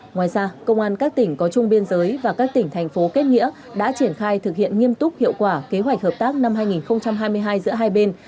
ngoài ra công an các tỉnh có chung biên giới và các tỉnh thành phố kết nghĩa đã triển khai thực hiện nghiêm túc hiệu quả kế hoạch hợp tác năm hai nghìn hai mươi hai giữa hai bên